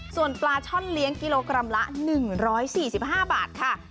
ส่วนปลาช่อนเลี้ยงกิโลกรัมละ๑๔๕บาทค่ะ